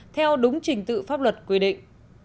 theo đúng trình tự pháp luật quy định